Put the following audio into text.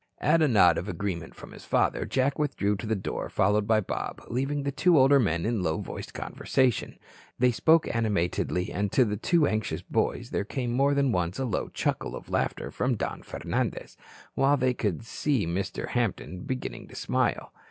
At a nod of agreement from his father, Jack withdrew to the door, followed by Bob, leaving the two older men in low voiced conversation. They spoke animatedly, and to the anxious boys there came more than once a low chuckle of laughter from Don Fernandez while they could see Mr. Hampton beginning to smile.